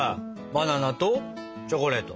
バナナとチョコレート。